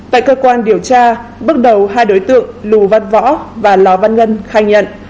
tại cơ quan điều tra bước đầu hai đối tượng lù văn võ và lò văn ngân khai nhận